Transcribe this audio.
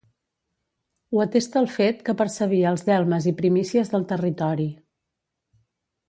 Ho atesta el fet que percebia els delmes i primícies del territori.